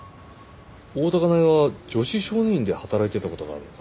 大多香苗は女子少年院で働いていた事があるのか？